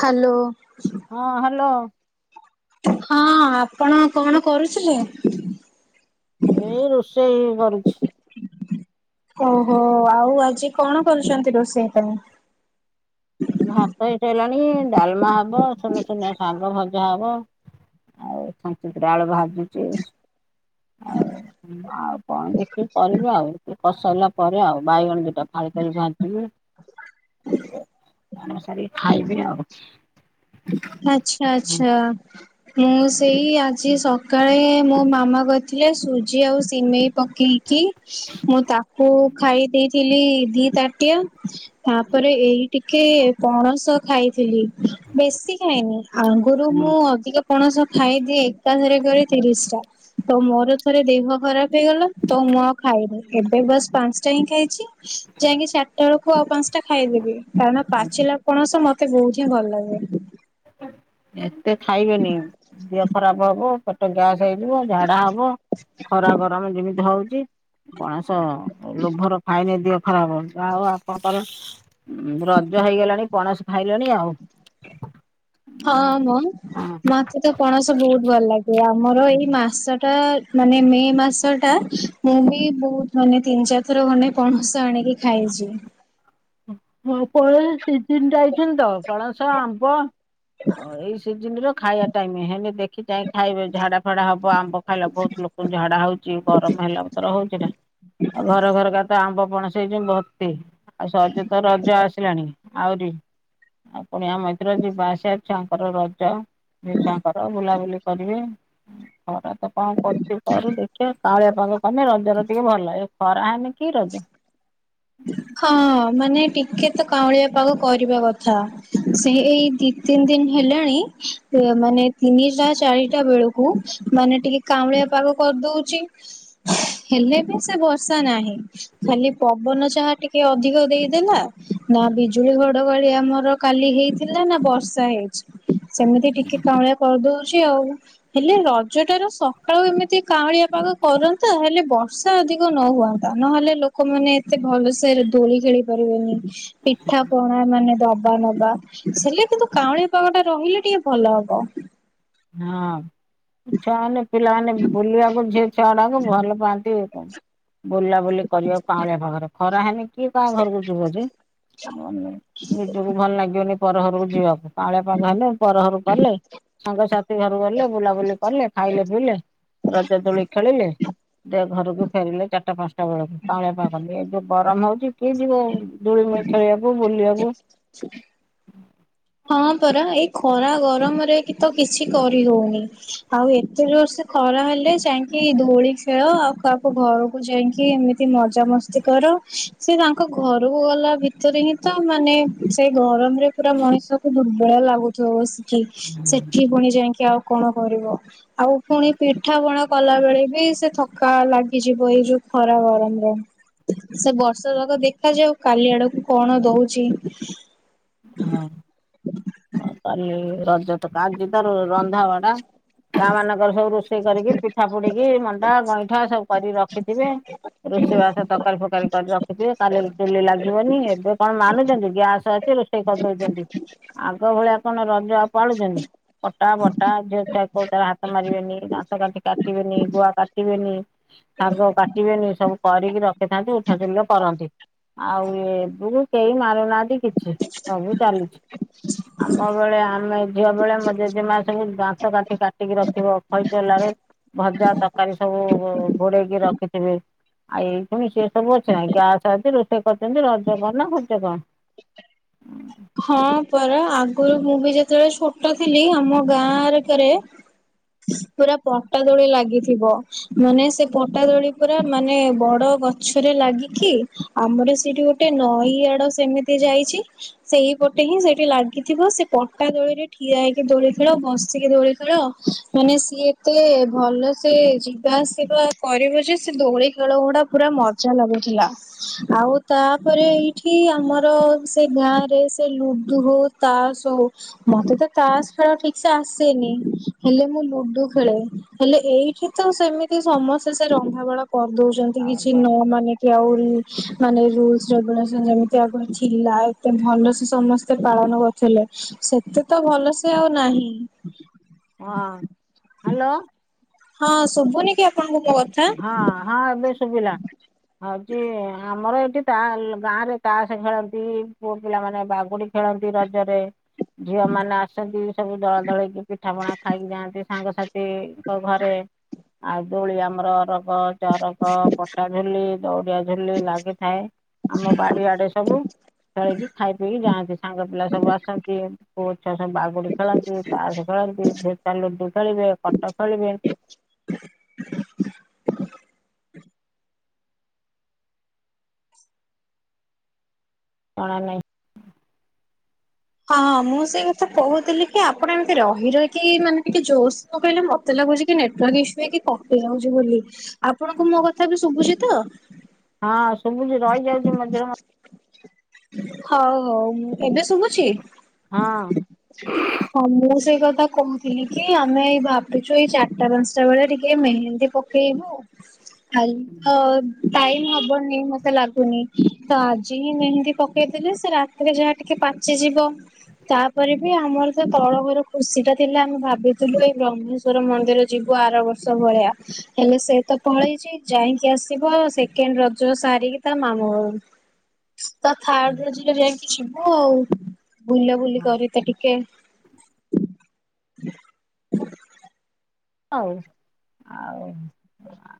Hello. ହଁ hello. ହଁ ଆପଣ କଣ କରୁଥିଲେ? ଏଇ ରୋଷେଇ କରୁଛି। ଓହୋ ଆଉ ଆଜି କଣ କରୁଛନ୍ତି ରୋଷେଇ ପାଇଁ? ଏ ଭାତ ହେଇସାରିଲଣି ଡାଲମା ହବ ସୁନୁସୁନିଆ ଶାଗ ଭଜା ହବ। ଆଉ [unintelligible] ଆଳୁ ଭାଜୁଛି ଆଉ। ହୁ ଆଉ କଣ ଦେଖିବି କରିବି ଆଉ ଏ କସାରିଲା ପରେ ଆଉ ବାଇଗଣ ଦିଟା ଫାଳ କରି ଭାଜିବି। [inaudible] କାମ ସାରିକି ଖାଇବି ଆଉ। ଆଛା ଆଛା ମୁଁ ସେଇ ଆଜି ସକାଳେ ମୋ ମାମା କରିଥିଲେ ସୁଜି ଆଉ ସିମେଇ ପକେଇଛି। ମୁଁ ତାକୁ ଖାଇ ଦେଇଥିଲି ଦି ତାଟିଆ ତାପରେ ଏଇ ଟିକେ ପଣସ ଖାଇଥିଲି ଖାଏନି ଆଗୁରୁ ମୁଁ ଅଧିକା ପଣସ ଖାଇଦିଏ ଏକା ଥରକରେ ତିରିଶ ଟା ତ ମୋର ଥରେ ଦେହ ଖରାପ ହେଇଗଲା ତ ମୁଁ ଆଉ ଖାଇବିନି ଏବେ ବାସ୍ ପାଞ୍ଚଟା ହିଁ ଖାଇଛି ଯାଇକି ଚାରି ଟା ବେଳକୁ ଆଉ ପାଞ୍ଚଟା ଖାଇଦେବି କାରଣ ପାଚିଲା ପଣସ ମତେ ବହୁତ୍ ହିଁ ଭଲ ଲାଗେ। ଏତେ ଖାଇବେନି ଦିହ ଖରାପ ହବ ପେଟ ଗ୍ୟାସ ହେଇଯିବ ଝାଡା ହବ ଖରା ଗରମ ଯେମିତି ହଉଚି ପଣସ ଲୋଭର ଖାଇଲେ ଦିହ ଖରାପ ହବ ଆଉ ଆପଣଙ୍କର ଉଁ ରଜ ହେଇଗଲାଣି ପଣସ ଖାଇଲେଣି ଆଉ ହଁ ମଁ ମତେ ତ ପଣସ ବୋହୁତ ଭଲ ଲାଗେ। ଏ ଆମର ଏଇ ମାସ ଟା ମାନେ ମେ ମାସ ଟା ମୁଁ ହି ବୋହୁତ୍ ମାନେ ତିନି ଚାରିଥର ଖଣ୍ଡେ ପଣସ ଆଣିକି ଖାଇଛି। ହଁ ହଁ ପଣସ ସିିଜିନଟା ଏଇକ୍ଷଣି ତ ପଣସ ଆମ୍ବ ଅ ଏଇ ସିଜିନରେ ଖାଇବା ଟାଇମ ହେଲେ ଦେଖି ଚାହିଁ ଖାଇବେ ଝାଡା ଫାଡା ହବ ଆମ୍ବ ଖାଇଲା ବହୁତ ଲୋକଙ୍କୁ ଝାଡା ହଉଚି ଗରମ ହେଲାବତର ହଉଛି ନା ଆଉ ଘର ଘର କା ତ ଆମ୍ବ ପଣସ ହେଇଚି ଯେ ଭର୍ତି ଆଉ ସହଜେ ତ ରଜ ଆସିଲାଣି ଆହୁରି ଆଉ କୁଣିଆ ମୈତ୍ର ଯିବା ଆସିବା ଛୁଆଙ୍କର ରଜ ଏଇ ଛୁଆଙ୍କର ବୁଲାବୁଲି କରିବେ ଖରା ତ କଣ କରୁଛି କରୁ ଦେଖିବା କାଁଳିଆ ପାଗ କରୁନି ରଜରେ ଟିକେ ଭଲ ଲାଗେ। ଖରା ହେଲେ କି ରଜ ହଁ ମାନେ ଟିକେ ତ କାଉଁଳିଆ ପାଗ କରିବା କଥା ସିଏ ଏଇ ଦି ତିନି ଦିନ ହେଲାଣି ଅ ମାନେ ତିନିଟା ଚାରିଟା ବେଳ କୁ ମାନେ ଟିକେ କାଁଉଳିଆ ପାଗ କରିଦଉଛି ହେଲେ ବି ସେ ବର୍ଷା ନାହିଁ ଖାଲି ପବନ ଯାହା ଟି କେ ଅଧିକ ଦେଇଦେଲା ନା ବିଜୁଳି ଘଡଘଡି ଆମର କାଲି ହେଇଥିଲା ନା ବର୍ଷା ହେଇଛି ସେମିତି ଟିକେ କାଉଁଳିଆ କରିଦଉଛି ଆଉ ହେଲେ ରଜଟା ର ସକାଳୁ ଏମିତି କାଉଁଳିଆ ପାଗ କରନ୍ତା ହେଲେ ବ ର୍ଷା ଅଧିକ ନ ହୁଅନ୍ତା ନହେଲେ ଲୋକମାନେ ଏତେ ଭଲ ସେରେ ଦୋଳି ଖେଳି ପାରିବେନି ପିଠା ପ ଣା ମାନେ ଦବା ନବା ସେ ହେଲେ କିନ୍ତୁ କାଉଁଳିଆ ପାଗ ଟା ରହିଲେ ଟିକେ ଭଲ ହବ ହଁ ଛୁଆମାନେ ପିଲାମାନେ ବୁଲା ବୁଲି ଝିଅ ଛୁଆଗୁଡାକୁ ଭଲ ପାଆନ୍ତି ଏଇ ପାଇଁ ବୁଲାବୁଲି କରିବାକୁ କାଉଁଳିଆ ପାଗରେ ଖରା ହେଲେ କିଏ କା ଘରକୁ ଯିବ ଯେ ନିଜକୁ ଭଲ ଲାଗିବନି ପରଘରକୁ ଯିବାକୁ କାଉଁଳିଆ ପାଗ ହେଲେ ପରଘରକୁ ଗଲେ ସାଙ୍ଗସା ଥି ଘରକୁ ଗଲେ ବୁଲାବୁଲି କଲେ ଖାଇଲେ ପିଇଲେ ରଜଦୋଳି ଖେଳିଲେ ଯେ ଘରକୁ ଫେରିଲେ ଚାରିଟା ପାଞ୍ଚଟା ବେଳକୁ କାଉଁଳିଆ ପାଗ କଲେ ଏ ଯୋଉ ଗରମ ହଉଛି କିଏ ଯିବ ଦୋଳି ମୂଳେ ଖେଳିବାକୁୁ ବୁଲିବାକୁ ହଁ ପରା ଏଇ ଖରା ଗରମରେ କିଛି ତ କିଛି କରି ଦଉନି ଆଉ ଏତେ ଜୋରସେ ଖରା ହେଲେ ଯାଇଁକି ଦୋଳି ଖେଳ ଆଉ କହାକୁ ଘରକୁ ଯାଇକି ଏମିତି ମଜା ମସ୍ତି କର ସେ ତାଙ୍କ ଘରୁକୁ ଗଲା ଭିତରେ ହିଁ ତ ମାନେ ସେ ଗରମରେ ପୁରା ମଣିଷ ଦୁର୍ବଳ ଲାଗୁଥିବ ବସିକି, ସେଠି ପୁଣି ଯାଇଁକି ଆଉ କଣ କରିବ? ଆଉ ପୁଣି ପିଠା ପଣା କଲା ବେଳେ ବି ସେ ଥକା ଲାଗିଯିବ ଏଇ ଯୋଉ ଖରା ଗରମରେ ସେ ବର୍ଷା ଯାକ ଦେଖାଯାଉ କାଲି ଆଡକୁ। କଣ ଦଉଛି? ହଁ ଆଉ କାଲି ରଜ ତକ ଆଜି ତ ରନ୍ଧାବଢା। ଗାଁମାନଙ୍କରେ ସବୁ ରୋଷେଇ କରିକି ପିଠା ପୋଡିକି ମଣ୍ଡା ଗଇଁଠା ସବୁ କରିକି ରଖିଥିବେ। ରୋଷେଇ ବାସ ତରକାରୀ ଫରକାରୀ କରି ରଖିଥିବେ କାଲି ଚୁଲି ଲାଗିବନି। ଏବେ କଣ ମାନୁଛନ୍ତି? ଗ୍ୟାସ ଅଛି ରୋଷ କରିଦଉଛନ୍ତି ଆଗ ଭଳିଆ କଣ ରଜ ଆଉ ପାଳୁଛନ୍ତି? କଟା ବଟା ଝିଅଛୁଆ କୋଉଟାରେ ହାତ ମାରିବେନି ଦାନ୍ତକାଠି କାଟିବେନି ଗୁଆ କାଟିବେନି। ଶାଗ କାଟିବେନି ସବୁ କରିକି ରଖିଥାନ୍ତି ଉଠା ଚୁଲିରେ କରନ୍ତି। ଆଉ ଏବେକୁ କେହି ମାରୁନାହାନ୍ତି କି ସବୁ ଚାଲିଛି। ଆମ ବେଳେ ଆମେ ଝିଅ ବେଳେ ଆମ ଜେଜେମା ସବୁ ଦାନ୍ତକାଠି କାଟିକି ରଖିବ ଖଇଚଲାରେ ଭଜା ତରକାରୀ ସବୁ ଘୋଡେଇକି ରଖିଥିବି। ଆଉ ଏସବୁଣି ସିଏ ସବୁ ଅଛି ନାଁ ଗ୍ୟାସ ଅଛି ରୋଷେଇ କରିଛନ୍ତି ରଜ କ ନା ଭଜ କଣ? ହଁ ପରା ଆଗରୁ ମୁଁ ବି ଯେତେବେଳେ ଛୋଟ ଥିଲି ଆମ ଗାଁ ଆରେକରେ। [inaudible] ପୁରା ପଟାଦୋଳି ଲାଗିଥିବ ମାନେ ସେ ପଟାଦୋଳି ପୁରା ମାନେ ବଡ ଗ ଗଛରେ ଲାଗିକି ଆମର ସେଠି ଗୋଟେ ନଈ ଆଡ ସେମିତି ଯାଇଛି। ସେଇପଟେ ହିଁ ସେଇଠି ଲାଗିଥିବ ସେ ପଟା ଦୋଳିରେ ଠିଆ ହେଇକି ଦୋଳିଥିଲ ବସିକି ଦୋଳିଖେଳ। ମାନେ ସିଏ ଏତେ ଭଲସେ ଯିବା ଆସିବା କରିବ ଯେ ସେ ଦୋଳି ଖେଳ ଗୁଡା ପୁରା ମଜ ମଜା ଲାଗୁଥିଲା ଆଉ ତାପରେ ଏଇଠି ଆମର ସେ ଗାଁ ସେ ସେ ଲୁଡୁ ହଉ ତାସ ହଉ। ମତେ ତ ତାସ ଖେଳ ଠିକ ସେ ଆସେନି ହେଲେ ମୁଁ ଲୁଡୁ ଖେଳେ। ହେଲେ ଏଇଠି ତ ସେମିତି ସମସ୍ତେ ସେ ରନ୍ଧା ବଢ଼ା କରିଦଉଛନ୍ତି କିଛି ହଁ ନ ମାନି? ଆହୁରି ମାନେ ରୁଲସ ରେଗୁଲେସନ୍ ଯେମତି ଆଗ ଥିଲା। ଏତ ଭଲ ସେ ସମସ୍ତେ ପାଳନ କରୁଥିଲେ। ସେତେ ତ ଭଲ ସେ ଆଉ ନାହିଁ। ହଁ। ହ୍ୟାଲୋ। ହଁ ଶୁଭୁନି କି ଆପଣଙ୍କୁ ମୋ କ ହଁ ହଁ ଏବେ ଶୁଭିଲା। ଆ ହଉଛି ଆମର ଏଇଠି ତା ଗାଁରେ ତାସ ଖେଳନ୍ତି ପୁଅ ପିଲାମାନେ ବାଗୁଡି ଖେଳନ୍ତି ରଜରେ। ଝିଅ ମାନେ ଆସନ୍ତି। ସବୁ ଦଳା ଦଳକି ପିଠା ପଣା ଖାଇକି ଯାଆନ୍ତି ସାଙ୍ଗସାଥିଙ୍କ ଘରେ ଆଉ ଦୋଳିଆମ ଆମର ଅରଗ ଚରଗ ପଟା ଝୁଲି ଦଉଡିଆ ଝୁଲି ଲାଗିଥାଏ। ଆମ ବାଡି ଆଡେ ସବୁ ଖେଳିକି ଖାଇ ପିଇକି ଯାଆନ୍ତି ସାଙ୍ଗ ପିଲା ସବୁ ଆସନ୍ତି। ପୁଅ ଛୁଆ ସବୁ ବାଗୁଡି ଖେଳନ୍ତି ତାସ ଖେଳନ୍ତି ଫେତା ଲୁଡୁ ଖେଳିବେ କଟ ଖେଳିବେ। କଣା ନାହିଁ। ହଁଁ ମୁଁ ସେଇ କଥା କହୁଥିଲି କି ଆପଣ ଏମିତି ରହି ରହିକି ମାନେ ଟିକେ ଜୋସ୍ ମୁଁ କହିଲି କି ମତେ ଲାଗୁଛି କି ନେଟୱାର୍କ ଇସ୍ୟୁ ହେଇକି କଟିି ଯାଉଛି ବୋଲି। ଆପଣଙ୍କୁ ମୋ କଥା ଏବେ ଶୁଭୁଛି ତ? ହଁ ଶୁଭୁଛି ରହିଯାଉଛି ମଝିରେ ମଝି ହଉ ହଉ ମୁଁ ଏବେ ଶୁଭୁଛି? ହଁ। [inaudible] ହଁ ମୁଁ ସେଇ କଥା କହୁଥିଲି କି ଆମେ ଏଇ ଭାବୁଛୁ ଏଇ ଚାରିଟା ପାଞ୍ଚଟା ବେଳେ ଟିକେ ମେହେନ୍ଦୀ ପ ଏଇଯୋଉ। [unintelligible] ଖାଲିତ ଟାଇମ ହବନି ମତେ ଲାଗୁନି। ତ ଆଜିହିଁ ମେହେନ୍ଦି ପକେଇଲେ ସେ ରାତିରେ ଯାହା ଟିକିଏ ପାଚିଯିବ। [inaudible] ତାପରେବି ଆମରତ ତଳଘର ଖୁସିଟା ଥିଲା ଆମେ ଭାବିଥିଲୁ ଏଇ ବ୍ରହ୍ମେଶ୍ଵର ମନ୍ଦିର ଯିବୁ ଆରବର୍ଷ। ସବୁଭଳିଆ। ହେଲେ ସେତ ପଳେଇଛି ଯାଇଁକି ଆସିବ ସେକେଣ୍ଡ ରଜ ସାରିକି ତାମାମୁଁ ଘରୁ। [inaudible] ତା ଥାର୍ଡରେ ଯିବେ ଯାଇକି ଯିବ ଆଉ ବୁଲାବୁଲି ହଁ କରିତେ ଟିକିଏ। ଆଉ ଆଉ ଆ।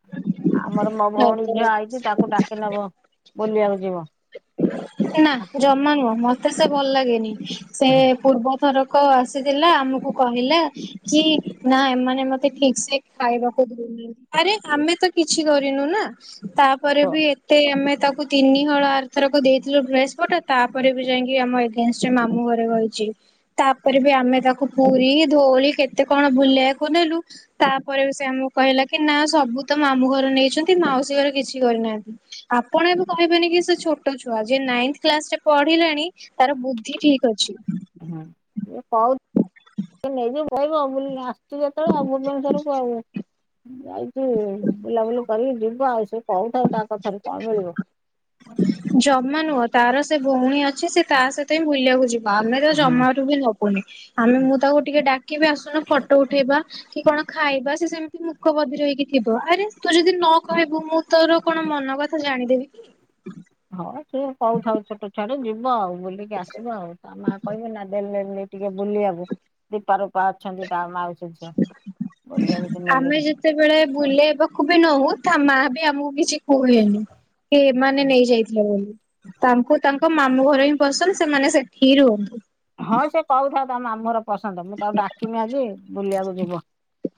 ଆମର ମୋ ଭଉଣୀ ଝିଅ ଭଲ ଆଇଚି ତାକୁ ଡାକିନବ ବୁଲିବାକୁ ଯିବ। ମତେନା ଆ, ଜମା ନୁହଁ ମତେ ସେ ଭଲଲାଗେନି ସେ ପୂର୍ବ ଥରକ ଆସିଥିଲା ଆମକୁ କହିଲା କି ନା ଏମାନେ ମତେ ଠିକ ସେ ଖାଇବାକୁ ଦଉ ହୁଁ ଆରେ ଆମେତ କିଛି କରିନୁନା ତ- ତାପରେବି ଏତେ ଆମେ ତାକୁ ତିନିହଳ ଆରଥରକୁ ଦେଇଥିଲୁ ଡ୍ରେସ ପଟା ତାପରେବି ଯାଇଁକି ଆମ ଏ ଏଇନା ସିଏ ମାମୁଁ ଘରେ କହିଛି। ତାପରେବି ଆମେ ତାକୁ ପୁରୀ ଧୋଉଳି କେତେ କଣ ବୁଲେଇବାକୁ ନେଲୁ? ତାପରେବି ସେ ଆମକୁ କହିଲାକି ନାସବୁତ ମାମୁଁ ଘର ନେଇଛନ୍ତି ମାଉସୀ ଘରେ କିଛି କରିନାହାନ୍ତି। ଆପଣ ଏବେ କହିବେନିକି ସେ ଛୋଟଛୁଆ ଯେ ନାଇନ କ୍ଲାସରେ ପଢିଲାଣି। ତାର ବୁଦ୍ଧି ଠିକଅଛି। ହଁ କ ନେଇକି ପଳେଇବ ବୋଲି ଆସ ସିଏ ଯେତେବେଳେ ଆଉ ଭୁବନେଶ୍ୱଵରକୁ ଆଉ ଯାଇଛିି ବୁଲାବୁଲି କରିକି ଯିବ ଆଉ ସେ କହୁଥାଉ ତାକଥାରେ କଣ ମିଳିବ? ଜମା ନୁହଁ ତାର ସେ ଭଉଣୀ ଅଛି ସେ ତା ସହିତହିଁ ବୁଲିବାକୁ ଯିବ। ଆମେତ ଜମାରୁବି ନବୁନି ଆମେ ମୁଁ ତାକୁ ଟିକିଏ ଡାକିବି ଆସୁନୁ ଫଟୋ ଉଠେଇବା। କି କଣ ଖାଇବା ସେ ସେମତି ମୁକ ବଧିର ହେଇକି ଥିବ ଆରେ ତୁ ଯଦି ନକହିବୁ ମୁଁ ତୋର କଣ ମନକଥା ଜାଣିଦେବିକି। ହଁ ସେ କହୁଥାଉ ଛୋଟ ଛୁଆଟେ ଯିବ ଆଉ ବୁଲିକି ଆସିବ ଆଉ। ତା ମା କହିବେନି ନା ଦେଲେନି ଟିକିଏ ବୁଲିବାକୁ। ଦୀପା ରୂପା ଅଛନ୍ତି ତା ମାଉସୀ ଝିଅ ବୁଲେଇବାକୁ ନେଲେନି। ଯେସେବେଳେ ବୁଲେଇବାକୁବି ନଉ ତା ମାବି ଆମକୁ କିଛି କୁହଏନି ସେ ଏମାନେ ନେଇଯାଇଥିଲେ ବୋଲି ତାଙ୍କୁ ତାଙ୍କୁ ମାମୁ ଘରେହିଁ ପସନ୍ଦ ସେମାନେ ସେଠି ରୁହ। ହଁ ସେ କହୁଥାଉ ତମେ ଆମର। ପସନ୍ଦ ମୁଁ ତାକୁ ଡାକିମି ଆଜି ବୁଲିବାକୁ ଯିବ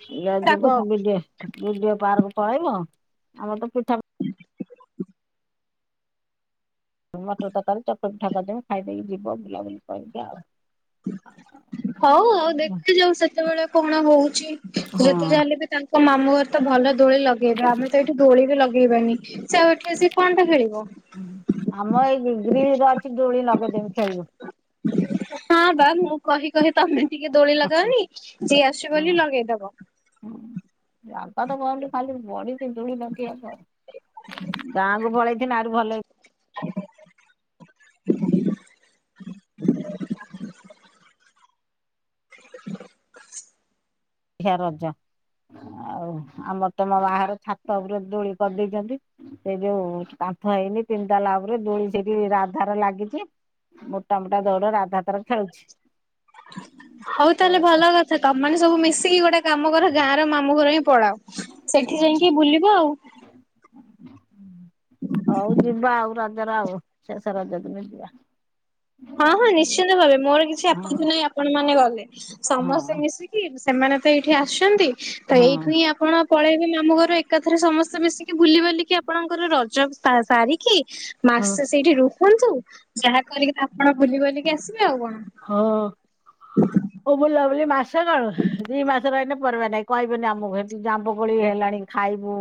ବୁଲିବାକୁ ଯିବ କଥା ବିଟିକେ ବିଡିଓ ପାର୍କ ପଳେଇବ ଆମରତ ପିଠା। ମଟର ତରକାରୀ ଚକୁଳିପିଠା ଖାଇଦେଇକି ଯିବ ବୁଲାବୁଲି କରିକି ଆଉ। ହଉ ଆଉ ଦେଖିଯାଉ ସେତେବେଳେ କଣ ହଉଛି ଯେତେ ହଁ ଯାହାହେଲେବି ତାଙ୍କ ମୋ ମାମୁଁ ଘରେତ ଭଲ ଦୋଳି ଲଗେଇବେ ଆମେତ ଏଇଠି ଦୋଳିବି ଲଗେଇବାନି। ସେ ଆଉ ଏଠିକି ଆସିକି କଣଟା ଖେଳିବ। ଆମ ଏଇ ଗ୍ରୀ ଗ୍ରିଲରେ ଅଛି ଡୋଳି ଲଗେଇଦେବି। ଖେଳିବୁ। ହଁବା ମୁଁ। କହି କହି ତମେ ଟିକିଏ ଦୋଳି ଲଗାଅନି ସିଏ ଆସୁଛି ବୋଲି ଲଗେଇଦବ। ହୁଁ ବାପାତ କହନ୍ତି ଖାଲି ବଡି ପିଜୁଳି ଧରିକ ଆସ। ଗାଁକୁୁ ପଳେଇଥିନେ ଆଉରି ଭଲ ହେଇ ଆ ହିଆ ରଜ ଆଉ ଆମର ତମ ବାହାର ଛାତ ଉପରୁ ଦୋଳି କରିଦେଇଚନ୍ତି ସେ ଯୋଉ କାନ୍ଥ ହେଇନି ତିନିତାଲା ଉପରୁ ଦୋଳି ସେଠି ରାଧାର ଲାଗିଚି ମୋଟାମୋଟା ଦୌଡ ରାଧା ତାର ଖେଳୁଚି ହଉ ତାହେଲେ ଭଲ କଥା ତମ ମାନେ ସବୁ ମିଶିକି ଗୋଟେ କାମ କର ଗାଁ ର ମାମୁ ଘର ହିଁ ପଳାଅ ସେଇଠି ଯାଇଁକି ବୁଲିବ ଆଉ। ହୁଁ ହଉ ଯିବା ଆଉ ରଜରେ ଆଉ ଶେଷ ରଜ ଦିନ ଯିବା। ହଁ ହଁ ବୁଲାବୁଲି କରିବା ନିଶ୍ଚିନ୍ତ ଭାବେ ମୋର କିଛି ହଁ ଆପଣଙ୍କୁ ନାହିଁ ଆପଣ ମାନେ ଗଲେ ସମସ୍ତେ ହଁ ମିଶିକି ସେମାନେ ତ ଏଇଠି ଆସିଛନ୍ତି ତ ହଁ ଏଇଠୁ ହିଁ ଆପଣ ପଳେଇବେ ମାମୁ ଘରୁ ଏକାଥରେ ସମସ୍ତେ ମିଶିକି ବୁଲି ବାଲିକି ଆ ପଣଙ୍କର ରଜ ସାସାରି କି ହଁ ମାସେ ସେଇଠି ରୁହନ୍ତୁ ଯାହା କରିକି ତ ଆପଣ ବୁଲି ବାଲିକି ଆସିବେ ଆଉ କଣ ହଁ ଓଉ ବୁଲାବୁଲି ମାସେ କଣ ଦି ମାସେ ରଏନେ ପରିବାନାଇ କଇବେନି ଆମକୁ ହେଠୀ ଜାମ୍ୱୁ କୋଳି ହେଲାଣି ଖାଇବୁ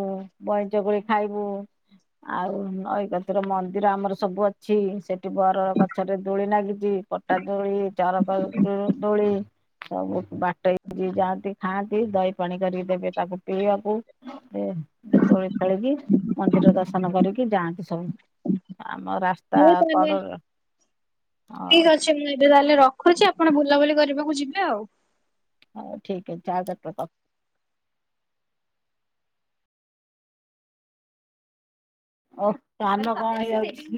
ବଇଁଚ କୋଳି ଖାଇବୁ ଆଉ ନଈକତିରେ ମନ୍ଦିର ଆମର ସବୁ ଅଛି ସେଠି ବର ଗଛରେ ଦୋଳି ନାଗିଚି ଟା ଦୋଳି ଚଁ ର ପା ଦୋଳି ସବୁ ବାଟ ହେଇକି ଯାଆନ୍ତି ଖାଆନ୍ତି ଦହି ପାଣି କରିକି ଦେବେ ତାକୁ ପିଇବାକୁ ଏ ତୋଳି ଖେଳିକି ମନ୍ଦିର ଦର୍ଶନ କରିକି ଯାଆନ୍ତି ସବୁ। ଆମ ରା ହଉ ତାହେଲେ ଠିକ୍ ହଉ ଅଛି ମୁ ଏ ଏବେ ତାହେଲେ ରଖୁଛି ଆପଣ ବୁଲାବୁଲି କରିବାକୁ ଯିବେ ଆଉ। ହଉ ଠିକ୍ ଅଛି ଆଉ ଚାରିଟା କ ଓଃ କାନ କଁ ହେଇଯାଉଛି